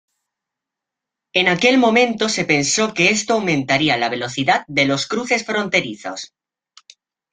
En aquel momento se pensó que esto aumentaría la velocidad de los cruces fronterizos.